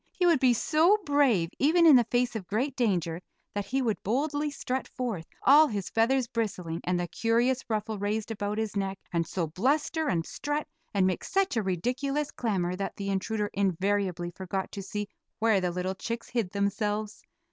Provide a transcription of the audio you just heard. He would be so brave, even in the face of great danger, that he would boldly strut forth, all his feathers bristling, and the curious ruffle raised about his neck, and so bluster and strut and make such a ridiculous clamor that the intruder invariably forgot to see where the little chicks hid themselves.